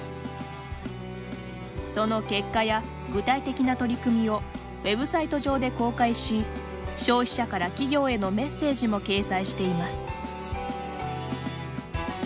その結果や具体的な取り組みをウェブサイト上で公開し消費者から企業へのメッセージも掲載しています。